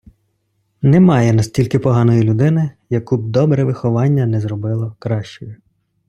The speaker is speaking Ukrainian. Немає настільки поганої людини, яку б добре виховання не зробило кращою.